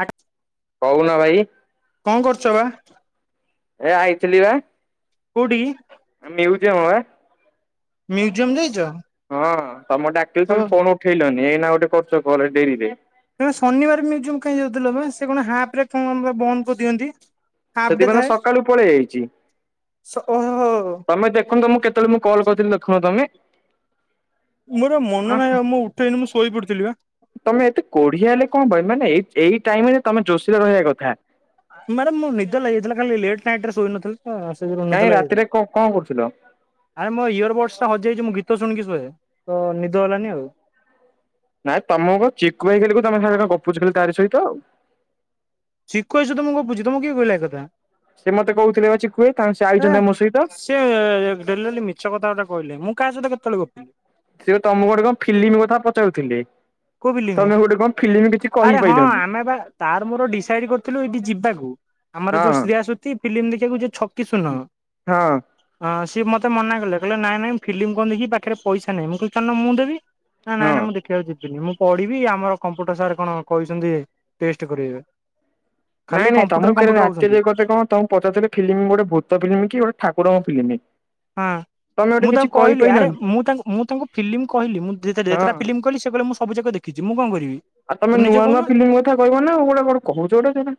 ଆ କହୁନ ଭାଇ କଣ କରୁଛ ବା ଏ ଆଇଥିଲି ବା। କୋଉଠିକି? ମ୍ୟୁଜିୟମ ବା। ମ୍ୟୁଜିୟମ୍ ଯାଇଛ। ହଁ ତମ ଡାକିଲେ ଓ ତମେ ଫୋନ୍ ଉଠେଇଲନି ଏଇନା ଗୋଟେ କରୁଛ କଲ ଡେରିରେ। ତ ଶନିବାର ମ୍ୟୁଜିୟମ କାଇଁ ଯାଉଥିଲ ଯେ ସେ କଣ ହାପ ରେ କଣ ବନ୍ଦ କରିଦିଅନ୍ତି। ହାଫ୍ ଡେ ସେଥିପାଇଁ ତ ଥାଏ ସକାଳୁ ପଳେଇ ଯାଇଛି ଓହୋ। ତମେ ଦେଖନ୍ତ ତ ମୁ କେତେ କେତଳେ ମୁଁ କଲ କରିଥିଲି ଦେଖନ ତମେ ମୋର ମନ ନାହିଁ ଆଉ ମୁଁ ଉଠେଇନି ମୁଁ ଶୋଇ ପଡିଥିଲି ବା। ତମେ ଏତେ କୋଢିଆ ହେଲେ କଣ ପାଇଁ ମାନେ ଏ ଏଇ ଟାଇମ ରେ ତମେ ଯୋଶୀରେ ରହିବା କଥା। ମ୍ୟାଡ଼ାମ ମୁଁ ନିଦ ଲାଗିଯାଇଥିଲା କାଲି ଲେଟ୍ ନାଇଟ ରେ ଶୋଇ ନଥିଲି। ହଁ ସେ ଥିରୁ କାଇଁ ନିଦ ରାତିରେ ଲାଗିଯାଇଥିଲା। କଣ କଣ କରୁଥିଲ ଆରେ ମୋ ଇୟର ବଡ଼ସ ଟା ହଜିଯାଇଛି ମୁଁ ଗୀତ ଶୁଣିକି ଶୁହେ ତ ନିଦ ହେଲାନି ଆଉ। ନାଇଁ ତମକୁ ଚିକୁୁଆଇ କେଲି ତମେ ସାଙ୍ଗ ଗପୁଚି ଖାଲି ତାରି ସହିତ ଆଉ ଚିକୁଭାଇ ସହିତ ମୁଁ ଗପୁଛି ତମକୁ କିଏ କହିଲା ଏ ଏକଥା। ସେ ମତେ କହୁଥିଲେ ବା ଚିକୁଭାଇ ସେ ହେ। ଆଇଛନ୍ତି ମୋ ସହିତ। ସେ ଡେଲିଡେଲି ମିଛକଥା ଗୁରା କହିଲେ ମୁଁ କାହା ସହିତ କେତେବେଳେ ଗପିଲି। ସେ ତମକୁ ଗୋଟେ କଣ ଫିଲ୍ମ କଥା ପଚାରୁଥିଲେ କୋଉ ଫିଲିମି ତମେ ଗୋଟେ କଣ? ଫିଲିମ୍ କିଛି ଆରେ ହଁ କହିପାରିଲନି ଆମେ ବା ତାର ମୋର ଡିସାଇଡ କରିଥିଲୁ ଏଇଠି ଯିବାକୁ। ଆମର ହଁ ଯୋଉ ଶ୍ରୀୟାସ୍ଵତି ଫିଲ୍ମ ଦେଖିବାକୁ ଯିବେ ଛକି ସୁନ। ହଁ। ହଁ! ସି ମତେ ମନା କଲେ କଇଲେ ନାଇଁ-ନାଇଁ ଫିଲ୍ମ କଣ ଦେଖିବି, ପାଖରେ ପଇସା ନାହିଁ। ମୁଁ କଇଲି ଚାଲୁନ ମୁଁ ଦେବି। ହଁ ନାନାଇଁ, ମୁଁ ଦେଖିବାକୁ ଯିବି। ମୁଁ ପଢିବି ଆମର କମ୍ପୁଟର ସାର୍ କଣ କହିଛନ୍ତି ଟେଷ୍ଟ କରେଇବେ। ଖାଲି ନାଇଁ ନାଇଁ ତମ କମ୍ପ୍ୟୁଟର କାେ କମ୍ପ୍ୟୁଟର ହଉଛନ୍ତି ରାତିରେ କଥା କଣ ତମ ପଚାରୁଥିଲେ ଫିଲ୍ମି ଗୋଟେ ଭୂତ ଫିଲ୍ମ କି ଗୋଟେ ଠାକୁରଙ୍କ ଫିଲ୍ମି। ହଁ। ମୁଁ ତାଙ୍କୁ କହିଲି ଆରେ ମୁଁ ତାଙ୍କୁ ମୁଁ ତାଙ୍କୁ ଫିଲ୍ମ କିହିଲି ମୁଁ ଯେତେ ହଁ ଯେତେଟା ଫିଲ୍ମ କହିଲି ସେ କହିଲେ ମୁଁ ସବୁ ଯାକ ଦେଖି କିଛି ମୁଁ କଣ କରିବି। ଆଉ ତମେ ନିଜେ ନୂଆ କହୁନ ନୂଆ ଫିଲ୍ମ କଥା କହିବ ନାଉ ଗୋଟେ କୋ କହୁଛ ଗୋଟେ ସେଇଟା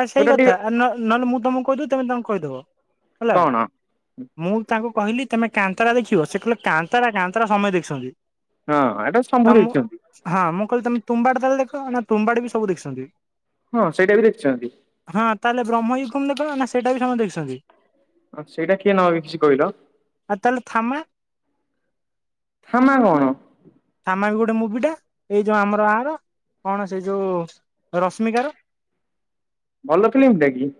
ଆଉ ସେଇ କଥା ଆ ନ ନହେଲେ ମୁଁ ତମକୁ କହିଦେବ ତମେ ତାଙ୍କୁ କହିଦେବ ହେଲା। କଣ ମୁଁ ତାଙ୍କୁ କହିଲି ତମେ କାନ୍ତରା ଦେଖିବ, ସେ କହିଲ କାନ୍ତରା- କାନ୍ତରା ସମସ୍ତେ ଦେଖିଛନ୍ତି। ହଁ ଏଟା ସମ୍ଭୁଦେଖଛନ୍ତି। ହଁ, ମୁଁ କହିଲି ତମେ ତୁମ୍ବାଡ ତାହଲେ ଦେଖ ନା ତୁମ୍ବାଡ ବି ସବୁ ଦେଖିଛନ୍ତି। ହଁ, ସେଇଟା ବି ଦେଖିଛନ୍ତି। ହଁ, ତାହେଲେ ବ୍ରହ୍ମୟୁକୁମ ଦେଖ, ନା ସେଇଟା ବି ସମସ୍ତେ ଦେଖିଛନ୍ତି। ସେଇଟା କିଏ ନ ଦେଖିଛି କହିଲ। ଆତାହାଲେ ଥାମା। କ୍ଷମା କଣ? ଥାମା ବି ଗୋଟେ ମୁଭି ଟା ଏଇ ଯୋଉ ଆମର ଆର କଣ ସେଇ ଯୋଉ ରଶ୍ମିକାର। ଭଲ ଫିଲ୍ମଟା କି?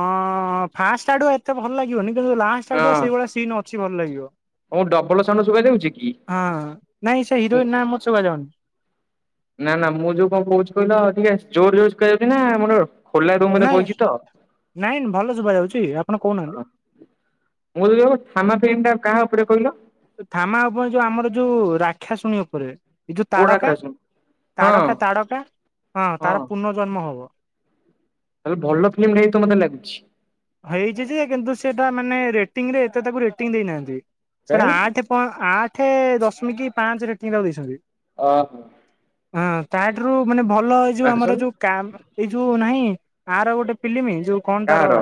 ଅଁ ଫାଷ୍ଟ ଆଡୁ ଏତେ ଭଲ ଲାଗିବନି କିନ୍ତୁ ଲାଷ୍ଟ ଆଡୁ ହଁ। ସେଇଭଳିଆ ସିନ୍ ଅଛି ଭଲ ଲାଗିବ। ଡବଲ ସାଉଣ୍ଡ ସୁବା ଯାଉଛି କି? ହଁ ନାଇଁ ସେ ହିରୋଇନ ନାଁ ମତେ ସୁଭା ଯାଉନି। ନା ନା ମୁଁ ଯୋଉ କଣ କହୁଛି କହିଲ ଟିକେ ଜୋର୍ ଜୋରେ ସୁକା ଯାଉଛି ନା ମୋର ଖୋଲା ରୁମରେ ନାଇଁ ବଇଛି ତ। ନାଇଁ ଭଲ ଶୁଭା ଯାଉଛି ଆପଣ କହୁନାହାନ୍ତି। ମୁଁ ଯ ଛାମା ଫିଲ୍ମଟା କାହା ଉପରେ କହିଲ? ଥାମା ଆଉ ପୁଣି ଯୋଉ ଆମର ଯୋଉ ରାକ୍ଷାଶୁଣୀ ଉପରେ। ଏଇ ଯୋଉ କୋଉ ତାଡକା ଡାକ୍ତର ସାହେବ? ହଁ ତାଡକା ତାଡକା ହଁ ତାର ପୁର୍ନଜନ୍ମ ହବ। ତାହେଲେ ଭଲ ଫିଲ୍ମ ଟେ ହେଇଥିବ ମତେ ଲାଗୁଛି। ହେଇଛି ଯେ କିନ୍ତୁ ସେଟା ମାନେ ରେଟିଂରେ ଏତେ ତାକୁ ରେଟିଂ ଦେଇନାହାନ୍ତି। କାଇଁ ସେଟା ଆଠ ପଏଁ ଆଠ ଦଶମିକ ପାଞ୍ଚ ରେଟିଂଙ୍ଗ୍ ତାକୁ ଦେଇଛନ୍ତି। ଅ ହଁ। ହଁ ତା ଠାରୁ ମାନେ ଭଲ ଏଇ ଯୋଉ ଆକ୍ସନ ଆମର ଯୋଉ କାମ ଏଇ ଯୋଉ ନାହିଁ ଆର ଗୋଟେ ପିଲିମି ଯୋଉ କଣ ତାର କାହାର?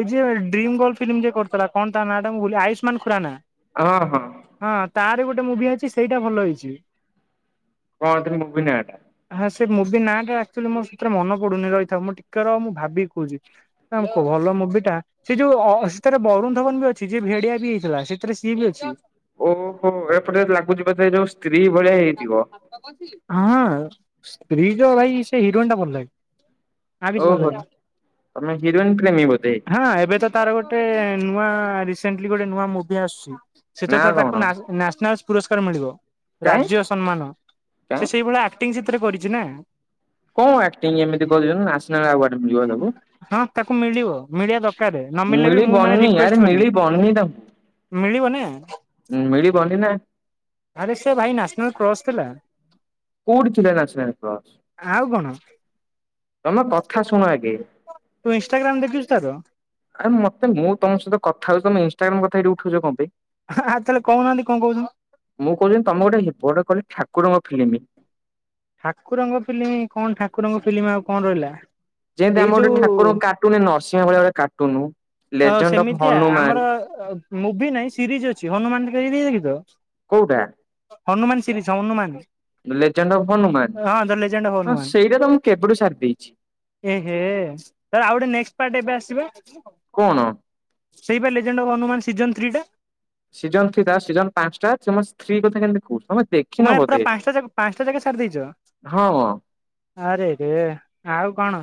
ଏ ଯ ଡ୍ରିମ୍ ଗୋଲ ଫିଲ୍ମ ଯିଏ କରିଥିଲା କଣ ତା ନା ଟା ଭୁଲି ଆୟୁଷ୍ମାନ ଖୁରାନା। ହଁ ହଁ। ହଁ ତାର ଗୋଟେ ମୁଭି ଆଇଚି ସେଇଟା ଭଲ ହେଇଛି। କଣ ଏଥିରେ ମୁଭି ନାଁ ଟା? ହଁ ସେ ମୁଭି ନାଁ ଟା ଆକ୍ଚୁଲି ମୋ ସେଥିରେ ମନେ ପଡୁନି ରହିଥା ମୁଁ ଟିକେ ର ମୁଁ ଭାବି କହୁଛି। ନା ଭଲ ମୁଭି ଟା। ସେ ଯୋଉ ସେଥିରେ ବରୁଣ ଧବନ ବି ଅଛି ଯି ଭେଡିଆ ବି ହେଇଥିଲା ସେଥିରେ ସିଏ ବି ଅଛି। ଓହୋ ଏପଟେ ଲାଗୁଛି ବଧେ ଯୋଉ ସ୍ତ୍ରୀ ଭଳିଆ ହେଇଥିବ। ହଁ ସ୍ତ୍ରୀ ଯୋଉ ଭାଇ ସେ ହିରୋଇନ୍ ଟା ଭଲ ଲାଗେ। ଆ କିଛି ଭଲ ଓହୋ ତମେ ହିରୋଇନ ପ୍ରେମୀ ବୋଧେ ଲାଗିବନି ହଁ ଏବେ ତ ତାର ଗୋଟେ ନୂଆ ରିସେଣ୍ଟଲି ଗୋଟେ ନୂଆ ମୁଭି ଆସୁଛି ସେତ ନା ତ କଣ? ତାକୁ ନ୍ୟାସନାଲ ପୁରସ୍କାର ମିଳିବ କାଇଁ? ରାଜ୍ୟ ସମ୍ମାନ କାଇଁ ସେ ସେଇ ଭଳିଆ ଆକ୍ଟିଂ ସେଥିରେ କରିଛି ନା। କଣ ଆକ୍ଟିଂ ଏମିତି କରିଛି ନ୍ୟାସନାଲ୍ ଆୱାର୍ଡ ମିଳିବ ତାକୁ। ହଁ ତାକୁ ମିଳିବ ମିଳିବା ଦରକାର। ରେ ନ ମିଳିଲେ ବି ମୁଁ ମାନେ ମିଳିବନି ଆରେ ରିକୁଏଷ୍ଟ ମିଳିବନି କରିବି ମିଳିବ ନା। ହୁଁ ମିଳିିବନି ନା ଆରେ ସେ ଭାଇ ନ୍ୟାସନାଲ କ୍ରସ ଥିଲା। କୋଉଠି ଥିଲା ନ୍ୟାସନାଲ କ୍ରସ। ଆଉ କଣ। ତମେ କଥା ଶୁଣ ଆଗେ ତୁ ଇନଷ୍ଟାଗ୍ରାମ ଦେଖିଛୁ ତାର ଆରେ ମତେ ମୁଁ ତମ ସହିତ କଥା ହଉଛି ତମେ ଇନଷ୍ଟାଗ୍ରାମ କଥା ଏଠି ଉଠାଉଛ କଣ ପାଇଁ। ହଁ ତାହେଲେ କହୁନାହାନ୍ତି କଣ କହୁଛ ମୁଁ କହୁନି ତମେ ଗୋଟେ ବଡ଼ କଲି ଠାକୁରଙ୍କ ଫିଲ୍ମ। ଠାକୁରଙ୍କ ଫିଲ୍ମ କଣ ଠାକୁରଙ୍କ ଫିଲ୍ମ ଆଉ କଣ ରହିଲା। ଯେମତି ଏଇ ଆମ ଯୋଉ ଗୋଟେ ଠାକୁରଙ୍କ କାର୍ଟୁନ ନରସିଂହା ଭଳିଆ ଗୋଟ କାର୍ଟୁନ ଲେଜେଣ୍ଡ ଅଫ୍ ହନୁମାନ ଆ ମୁଭି ନାଇଁ ସିରିଜ୍ ଅଛି ହନୁମାନ ଦେଖି [unintelligible] କୋଉଟା? ହନୁମାନ ଶିରିଜ୍ ହନୁମାନ [unintelligible] ହନୁମାନ ହଁ ଦ ଲେଜେଣ୍ଡ ଅଫ୍ ସେଇଟା ହଁ ହନୁମାନ ସେଇଟା ତ ମୁଁ କେବେଠୁ ସାର୍ ଦେଇଛି। ଏହେ ତ ଆଉ ଗୋଟେ ନେଷ୍ଟ ପାର୍ଟ ଏବେ ଆସିବା। କଣ? ସେଇ ବା ଲେଜେଣ୍ଡ୍ ଅଫ୍ ହନୁମାନ ସିଜିନ୍ ଥ୍ରୀଟା। ସିଜନ୍ ଥ୍ରୀ ସିଜନ୍ ପାଞ୍ଚଟା ସମସ୍ତେ ସେ ମୋ ସ୍ତ୍ରୀ କଥା କେମିତି କହୁଚି ତମେ ଦେଖ କୁ ମାନେ ପୁରା ପାଞ୍ଚଟା ଜାକ୍ ପାଞ୍ଚଟା ଜାକ ଛାରି ଦେଇଚ। ହଁ ଆରେରେ ଆଉ କଣ?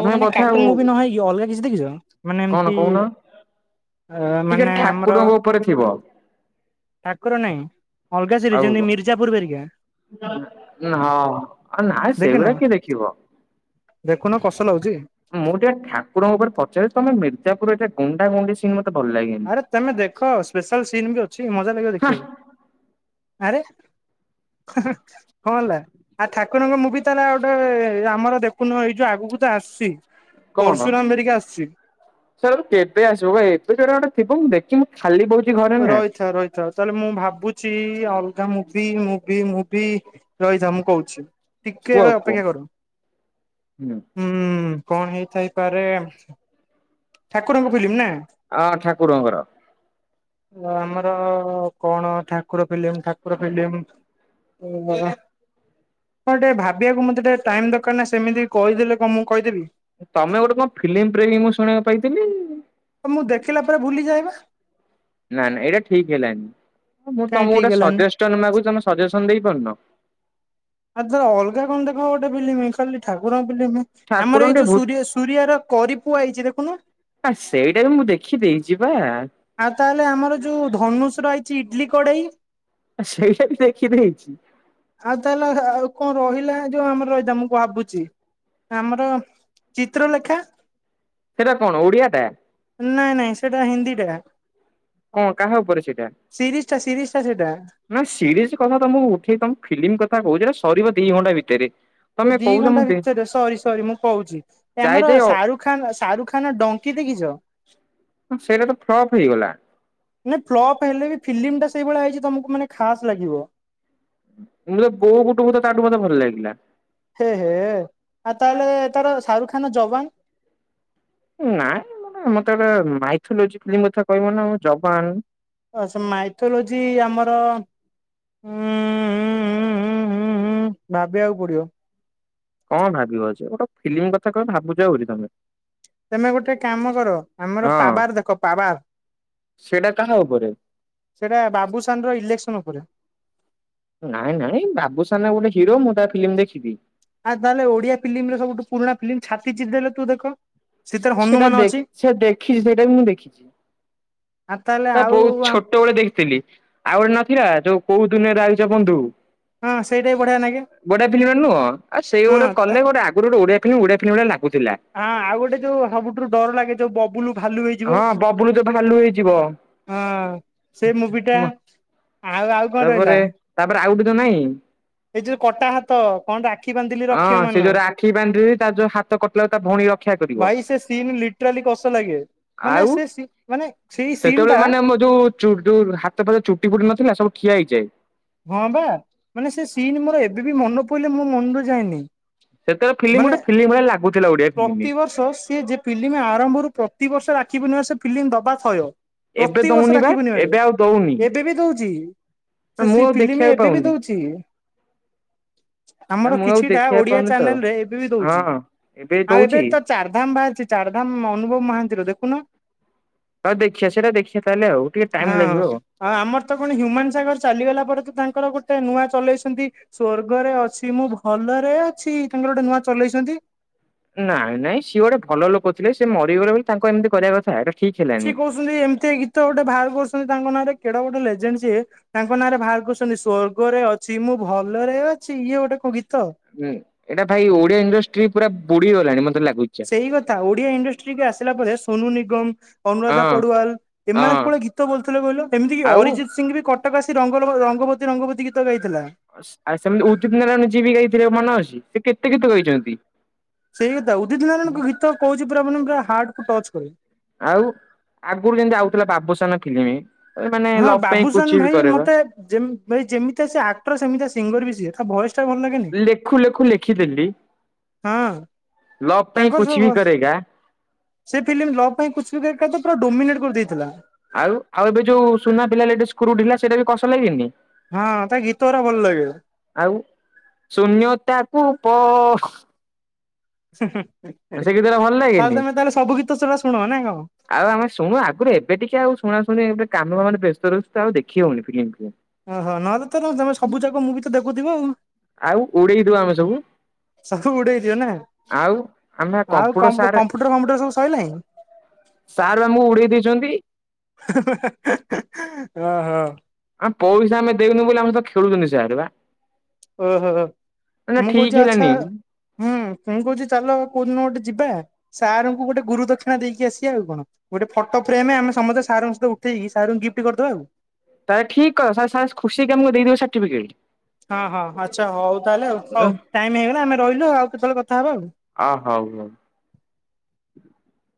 ଆଉ ମାନେ ବୋଧେ କାର୍ଟୁନ ମୁଭି ନହେଇକି ଅଲଗା କିଛି ଦେଖିଚ ମାନେ କଣ ଏମ୍ତି କହୁନ ଆ ଟିକେ ମାନେ ଆମର ଠାକୁରଙ୍କ ଉପରେ ଥିବ ଠାକୁର ନାଇଁ ଅଲଗା [unintelligible] ଆଉ ଯେମିତି ହଁ ମିର୍ଜାପୁର ବେରିକା। ନା ହଁ ଆଉ ନାଇଁ ଦେଖିନ ସେଇଗୁଡା କିଏ ଦେଖିବ। ଦେଖୁନ କଷ୍ ଲାଗୁଚି। ମୁଁ ଟିକେ ଠାକୁରଙ୍କ ଉପରେ ପଚାରିଲି ତମେ ମିର୍ଜାପୁର ଏଟା ଗୁଣ୍ଡା ଗୁଣ୍ଡି ସି ମତେ ଭଲ ଲାଗେନି। ଆରେ ତେମେ ଦେଖ ସ୍ପେଶାଲ ସିନ୍ ବି ଅଛି ମଜା ଲାଗିବ ଦେଖିବାକୁ। ଆରେ! ହୁଁ ହୁଁ କଣ ହେଲା ଆଉ ଠାକୁରଙ୍କ ମୁଭି ବି ତାହେଲେ ଆଉ ଗୋଟେ ଆମର ଦେ ଖୁନ‌ ଏଇ ଯୋଉ ଆଗକୁ ତ ଆସିଚି କଣ ପର୍ଶୁରାମ ହେରିକା ଆସିଚି। ସାର୍ ଏବେ କେବେ ଆସିବ ଭାଇ ଏବେ ଜୋରା ଗୋଟେ ଥିବ ମୁଁ ଦେଖ୍ କି ମୁଁ ଖାଲି [unintelligible] ନ ରହିଥା ରହିଥା ତାହେଲେ ମୁଁ ଭାବୁଚି ଅଲଗା ମୁଭି ମୁଭି ମୁଭି ରହିଥା ମୁଁ କହୁଛି ଟିକେ କୁହ କୁହ ଅପେକ୍ଷା [unintelligible] ହୁଁ ହୁଁ କଣ ହେଇଥାଇପାରେ ଠାକୁରଙ୍କ ଫିଲ୍ମ ନାଁ? ଆ ଠାକୁରଙ୍କର ଆମର କଣ ଠାକୁର ଫିଲ୍ମ ଠାକୁର ଫିଲ୍ମ [unintelligible] ହଁ ଟିକେ ଭାବିବାକୁ ମୋତେ ଟିକେ ଟାଇମ୍ ଦରକାର ନା ସେମିତି କହିଦେଲେ କ ମୁଁ କହିଦେବି। ତମେ ଗୋଟେ କଣ ଫିଲ୍ମ୍ ପ୍ରେମି ମୁଁ ଶୁଣିବାକୁ ପାଇଥିଲି? ତ ମୁଁ ଦେଖିଲା ପରେ ଭୁଲି ଯାଏବା। ନାଁ ନାଁ ଏଇଟା ଠିକ୍ ହେଲାନି ମୁଁ କାହିଁ ତମକୁ ଠିକ ଗୋଟେ ହେଲାନି ସଜେଷ୍ଟନ୍ ମାଗୁଚି ତମେ ସଜେସନ୍ ଦେଇପାରୁନ। ଆଉ ତାର ଅଲଗା କଣ ଗୋଟେ ଦେଖ ଫିଲ୍ମ୍ ଖାଲି ଠାକୁରଙ୍କ ଫିଲ୍ମ୍ ଠାକୁରଙ୍କୁ ଆମର ଏଇ ଟିକେ ଯୋଉ ଭୂତ ସୁରି ସୁରିଆର କରି ପୁଅ ଆଇଚି ଦେଖୁନୁ? ଆ ସେଇଟା ବି ମୁଁ ଦେଖି ଦେଇଚି ପା। ଆଉ ତାହେଲେ ଆମର ଯୋଉ ଧନୁଷ୍ ଆଇଚି ଇଡଲି କଡେଇ ସେଇଟା ବି ଦେଖି ଦେଇଛି। ଆଉ ତାହେଲେ ଆଉ କଣ ରହିଲା ଯୋଉ ଆମର [unintelligible] ମୁଁ ଭାବୁଛି। ଆମର ଚିତ୍ର ଲେଖା ସେଇଟା କଣ ଓଡିଆ ଟା ନାଇଁ ନାଇଁ ସେଟା ହିନ୍ଦୀଟା। ହଁ କାହା ଉପରେ ସେଇଟା? ସିରିଷ୍ଟା ସିରିଷ୍ଟା ସେଇଟା। ନା ସିରିଏଜ୍ କଥା ତମକୁ ଉଠେଇ ତମକୁ ଫିଲ୍ମ୍ କଥା କହୁଚି ସରିବ ଏଟା ଦି ଘଣ୍ଟା ଭିତରେ ଓ ତମେ ଦି କହୁଛ ଘଣ୍ଟା ମୁଁ ଭିତରେ ସରି ସରି ମୁଁ କହୁଛି ଯାଇ ଆମର ଯାଇ ଶାରୁଖ୍ ଖାନ ଶାରୁଖାନ ଡଙ୍କି ଦେଖିଚ? ହଁ। ସେଇଟା ତ ଫ୍ଲପ୍ ହେଇଗଲା। ନା ଫ୍ଲପ୍ ହେଲେ ବି ଫିଲି ମ୍ ଟା ସେଇଭଳିଆ ହେଇଛି ତମକୁ ମାନେ ଖାସ୍ ଲାଗିବ। ମୁଁ ତ ବୋଉ ବୁଟୁ ଭୂତ ତା ଠୁ ମତେ ଭଲ ଲାଗିଲା। ହେ ହେ ଆଉ ତାହେଲେ ତାର ଶାହାରୁଖାନ ର ଯବାନ୍ ନାଇଁ ମାନେ ମତେ ଗୋଟେ ମାଇଥୋଲୋଜି ଫିଲ୍ମ କଥା କହିବନା ମୁଁ ଯବାନ୍ ଆ ସେ ମାଇଥୋଲୋଜି ଆମର ହୁଁ ହୁଁ ହୁଁ ହୁଁ ହୁଁ ଭାବିବାକୁ ପଡିବ। କଣ ଭାବିବ ଯେ ଗୋଟେ ଫିଲ୍ମ୍ କଥା କହିବ ଭାବୁଛ ଆହୁରି ତମେ। ତେମେ ଗୋଟେ କାମ କର ଆମର ହଁ ପାବାର୍ ଦେଖ ପାବାର୍ ସେଇଟା କାହା ଉପରେ? ସେଇଟା ବାବୁସାନ ର ଇଲେକ୍ସନ ଉପରେ। ନାଇଁ ନାଇଁ ବାବୁ୍ସାନ ଗୋଟେ ହିରୋ ମୁଁ ତା ଫିଲ୍ମ୍ ଦେଖିବି ଆ ତାହେଲେ ଓଡିଆ ଫିଲ୍ମରେ ସବୁଠୁ ପୁରୁଣା ଫିଲ୍ମ୍ ଛାତି ଚିରି ଦେଲେ ତୁ ଦେଖ। ସେଥିରେ ସେଇଟା ହନୁମାନ ଦେଖ୍ ଅଛି ସେ ଦେଖିଛି ସେଇଟା ବି ମୁଁ ଦେଖିଛି। ଆଉ ତାହେଲେ ଟା ଆଉ ବହୁତ୍ ଛୋଟବେେଳେ ଦେଖିଥିଲି। ଆଉ ଗୋଟେ ନଥିଲା ଯୋଉ କୋଉ ଦୁନିଆରୁ ଆଇଚ ବନ୍ଧୁ? ହଁ ସେଇଟା ବି ବଢିଆ ଲାଗେ ବଢ଼ିଆ ଫିଲ୍ମ୍ ଟେ ନୁହଁ ଆଉ ସେଇ ହଁ ଗୋଟେ ହଁ କଲେ ଗୋଟେ ଆଗରୁ ଗୋଟେ ଓଡ଼ିଆ ଓଡ଼ିଆ ଫିଲ୍ମ୍ ଭଳିଆ ଲାଗୁଥିଲା। ଆ ଆଉ ଗୋଟେ ଯୋଉ ସବୁଠୁ ରୁ ଡର ଲାଗେ ଯୋଉ ବବୁଲୁ ଭାଲୁ ହେଇ ଯୋଉ ହଁ ବବୁଲୁ ଯୋଉ ଭାଲୁ ହେଇଯିବ ହଁ ସେ ମୁଭିଟା ଆଉ ଆଉ କଣ ରହିଲା? ତାପରେ ତାପରେ ଆଉକିତୁ ନାଇଁ ଏଇ ଯୋଉ କଟା ହାତ କଣ ରାକ୍ଷୀ ବାନ୍ଧିଲି ରଖିବ ହଁ ସେ ମାନ ଯୋଉ ରାକ୍ଷୀ ବାନ୍ଧିବି ତାର ଯୋଉ ହା ତ କଟିଲା ବେଳକୁ ତା ଭଉଣୀକି ରକ୍ଷା କରିବ ଲିଟେରାଲି କଷ ଲାଗେ ମାନେ ଆଉ ସେ ସି ମାନେ ସେଇ ସିନ୍ ସେତେବେଳେ ଟା ମାନେ ଆମ ଯୋଉ ଜୁ ଡ୍ ଯୋଉ ହାତ ଫାତ ଚୁଟି ଫୁଟି ନଥିଲା ସବୁ ଠିଆ ହେଇଯାଏ। ହଁ ବା ମାନେ ସେ ସିନ୍ ମୋର ଏବେ ବି ମନେ ପଇଲେ ମୋ ମନରୁ ଯାଏନି। ସେତେବେଳେ ଫିଲ୍ମ ମାନେ ଗୋଟେ ଫିଲ୍ମ ଭଳିଆ ଲାଗୁଥିଲା ଓଡିଆ ଫିଲ୍ମ ପ୍ରତିବର୍ଷ ସିଏ ଯେ ଫିଲ୍ଲିମ୍ ଆରମ୍ଭରୁ ପ୍ରତିିବର୍ଷ ରାକ୍ଷୀ ପୂର୍ଣ୍ଣିମାରେ ସେ ଫିଲ୍ଲିମ୍ ଦବା ଥୟ। ଏବେ ଦଉନି ପ୍ରତିିବର୍ଷ ବା ରାକ୍ଷୀ ପୂର୍ଣ୍ଣିମାରେ ଏବେ ଆଉ ଦଉନି। ଏବେ ବି ଦଉଛି। ସେ ମୁଁ ସେ ଆଉ ଫିଲିମି ଦେଖିବାକୁ ଏବେ ବି ପାଉନି ଦଉଚି। ନା ଆମର ମୁଁ ଆଉ କିଛିଟା ଦେଖିବାକୁ ଓଡ଼ିଆ ପାଉନି ତ ଚ୍ୟାନେଲ୍ ରେ ଏବେ ବି ଦଉଛି ହଁ। ଆଉ ଏବେ ଦଉଛି ତ ଚାରିଧାମ୍ ବାହାରିଛି ଚାରିଧାମ୍ ଅନୁଭବ ମହାନ୍ତିର ଦେଖୁନ ହଉ ଦେଖିଆ ସେଇଟା ଦେଖିଆ ତାହେଲେ ଆଉ ଟିକେ ଟାଇମ୍ ହଁ ଲାଗିବ ଆଉ। ଆଉ ଆମର ତ କଣ ହ୍ୟୁମାନ୍ ସାଗର ଚାଲିଗଲା ପରେ ତ ତାଙ୍କର ଗୋଟେ ନୂଆ ଚଲେଇ ଛନ୍ତି ସ୍ଵର୍ଗରେ ଅଛି ଯେ ମୁଁ ଭଲରେ ଅଛି ତାଙ୍କର ଗୋଟେ ନୂଆ ଚଲେଇଛନ୍ତି ନାଇଁ ନାଇଁ ସିଏ ଗୋଟେ ଭଲ ଲୋକ ଥିଲେ ସେ ମରିଗଲେ ବୋଲି ତାଙ୍କୁ ଏମିତି କରିବା କଥା ଏଇଟା ଠିକ୍ ହେଲାନି। ଏମିତିଆ ଗୀତ ଗୋଟେ ବାହାର କରୁଛନ୍ତି ତାଙ୍କ ନାଁରେ କେଡେ ଗୋଟେ ଲେଜେଣ୍ଡ୍ ସିଏ ତାଙ୍କ ନାଁରେ ଭାର କରୁଛନ୍ତି ସ୍ଵର୍ଗରେ ଅଛି ମୁଁ ଭଲରେ ଅଛି ଇଏ ଗୋଟେ କୋଉ ଗୀତ? ଉଁ ଏଇଟା ଭାଇ ଓଡିଆ ଇଣ୍ଡଷ୍ଟ୍ରି ପୁରା ପୁଡିଗଲାଣି ମତେ ଲାଗୁ ସେଇ କଥା ଓଡିଆ ଇଣ୍ଡଷ୍ଟ୍ରିିକି ଆସିଲା ପରେ ସୋନୁ ନିଗମ୍ ଅନୁୁରାଧା ହଁ। ପଡୁୱାଲ ଏମାନେ ହଁ କୋଉଭଳିଆ ଗୀତ ବୋଲୁ ଥିଲେ କହିଲ ଏମିତିକି ଆଉ ଅରିଜିତ୍ ସିଂ ବି କଟ୍ କ ଆସି ରଙ୍ଗଲବ ରଙ୍ଗବତୀ ରଙ୍ଗବତୀ ଗୀତ ଗାଇଥିଲା। ଆ ସ ସେମିତି ଉଦିତ୍ ନାରାୟଣ ଯିଏ ବି ଗାଇଥିଲେ ମନେ ଅଛି ସେ କେତେ ଗୀତ ଗାଇଚନ୍ତି। ସେଇ କଥା ଉଦିତ୍ ନାରାୟଣଙ୍କ ଗୀତ କହୁଛି ପୁରା ମାନେ ପୁରା ହାର୍ଟ୍ କୁ ଟଚ୍ କରିବ। ଆଉ ଆଗରୁ ଯେମିତି ଆଉଥିଲା ବାବୁସାନ ଫିଲ୍ମି ମାନେ ଲଭ୍ ପାଇଁ କୁଛ୍ ବି କରେଗା ଯେମ୍ ଭାଇ ଯେମିତିଆ ସିଏ ଆକ୍ଟର ସେମିତିଆ ସିଙ୍ଗର୍ ବି ସିଏ ତା ଭଏସ୍ ଟା ବି ଭଲ ଲାଗେନି ଲେଖୁ ଲେଖୁ ଲେଖିଦେଲି ହଁ ଲଭ୍ ପାଇଁ ତାଙ୍କର କୁଛ୍ ସବୁ ବି ଭଲ କରେଗା। ସେ ଫିଲ୍ମ ଲଭ୍ ପାଇଁ କୁଛ୍ ବି ପୁରା ଡୋମିନେଟ୍ କରିଦେଇଥିଲା। ଆଉ ଆଉ ଏବେ ଯୋଉ ସୁନା ପିଲା ହେଲେ ଟିକେ ସ୍କୃ ଢିଲା ସେଇଟା ବି କଷ ଲାଗେନିକି? ହଁ ତା ଗୀତରା ଭଲ ଲାଗେ। ଆଉ ଶୂନ୍ୟତାକୁ ପଅ ହୁଁ ହୁଁ ଆଉ ଗୀତଟା ଭଲ ଲାଗେନି। ତାହେଲେ ତମେ ସବୁ ଗୀତ ସେଡା ଶୁଣ ନା କଣ? ଆଉ ଆମେ ଶୁଣୁ ଆଗରୁ ଏବେ ଟିକେ ଆଉ ଶୁଣା ଶୁଣି ଏ କାମ କ ମାମେ ବ୍ୟସ୍ତ ରୁ ଆଉ ଦେଖି ହଉନି ଫିଲ୍ମ। ଓହୋ ନହଲେ ତ ତମେ ସବୁ ଯାକ ମୁଁ ବି ତ ଦେଖୁଥିବ ଆଉ। ଆଉ ଉଡେଇ ଦିଅ ଆମେ ସବୁ। ସବୁ ଉଡେଇଦିଅ ନା ଆଉ ଆମେ ଆଉ କମ୍ପ୍ୟୁଟର ସାର୍ କମ୍ପୁଟର ଫମ୍ପୁଟର ସବୁ ସରିଲାଣିି? ସାର୍ ବା ଆମକୁ ଉଡେଇ ଦେଇଛନ୍ତି। ଓ ହୋ। ଆଁ ପଇସା ଆମେ ଦେଉନୁ ବୋଲି ଆମ ସହିତ ଖେଳୁଛନ୍ତି ସାର ବା। ଓହୋ ନା ମୁଗ ଠିକ ଯ ହେଲାନି। ଆଛା ହୁଁ ମୁୁଁ କହୁଛି ଚାଲ କୋଉଦିନ ଗୋଟେ ଯିବା ସାର୍ ଙ୍କୁ ଗୋଟେ ଗୁରୁ ଦକ୍ଷିଣା ଦେଇକି ଆସିବା ଆଉ କଣ। ଗୋଟେ ଫଟୋ ଫ୍ରେମରେ ଆମେ ସମସ୍ତ ସଙ୍କହିତ ଉଠେଇକି ସାର୍ ଙ୍କୁ ଗିଫ୍ଟ କରିଦବା ଆଉ। ତାେ ଠିକ କ ଖୁସି ହେଇକି ଆମକୁ ଦେଇଦେବେ ସାର୍ଟିଫିକେଟ। ହଁ ହଁ ଆଚ୍ଛା ହଉ ତାହେଲେ ଆଉ ହଉ ଟାଇମ ହେଇଗଲା ଆମେ ରହିଲୁ ଆଉ କେତେବେଳେ କଥା ହବା ଆଉ। ଅ ହଉ ହଉ।